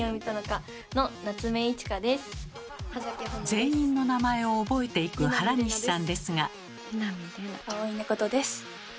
全員の名前を覚えていく原西さんですが。